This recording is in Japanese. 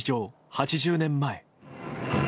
８０年前。